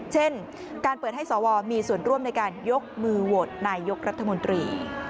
เช่นการเปิดให้สวมีส่วนร่วมในการยกมือโหวตนายกรัฐมนตรี